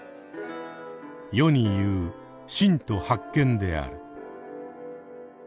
世に言う「信徒発見」である。